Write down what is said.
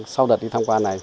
sau đợt đi tham quan này